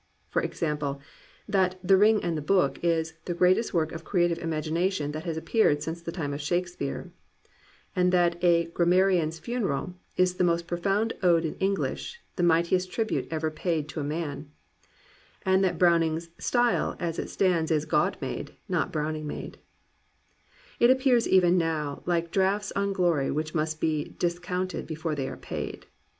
For example, that The Ring and the Book is "the greatest work of creative imagination that has appeared since the time of Shakespeare," * and that A Grammarian^ s Funeral is "the most powerful ode in English, the mightiest tribute ever paid to a man," f and that BroT\Tiing*s "style as it stands is God made, not Browning made," X appear even now like drafts on glory which must be discounted before they are paid.